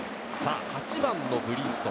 ８番のブリンソン。